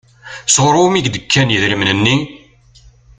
Sɣur wumi i k-d-kan idrimen-nni?